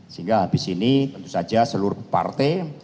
sehingga habis ini tentu saja seluruh partai